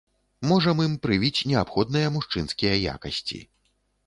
Можам ім прывіць неабходныя мужчынскія якасці.